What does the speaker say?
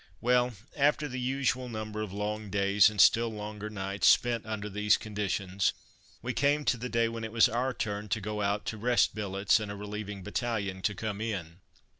Well, after the usual number of long days and still longer nights spent under these conditions, we came to the day when it was our turn to go out to rest billets, and a relieving battalion to come in.